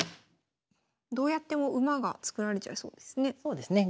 どうやっても馬が作られちゃいそうですね。